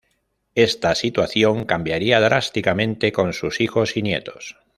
Esta situación cambiaría drásticamente con sus hijos y nietos.